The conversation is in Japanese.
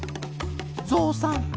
「ぞうさん」